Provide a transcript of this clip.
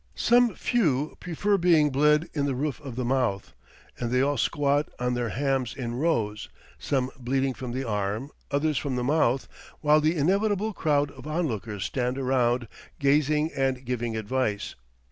Some few prefer being bled in the roof the mouth, and they all squat on their hams in rows, some bleeding from the arm, others from the mouth, while the inevitable crowd of onlookers stand around, gazing and giving advice.